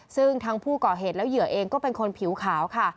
ซึ่งทั้งผู้ก่อเหตุและเหยื่อเองก็เป็นคนผิวขาวค่ะ